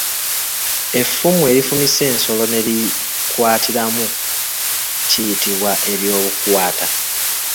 Effumu erifumise ensolo ne likwatirwamu liyitibwa eryobukwata.